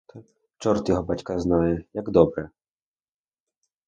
Чорт його батька знає, як добре!